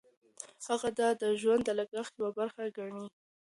هغه دا د ژوند د لګښت یوه برخه ګڼي.